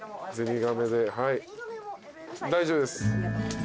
大丈夫です。